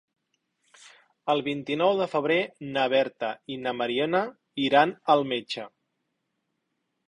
El vint-i-nou de febrer na Berta i na Mariona iran al metge.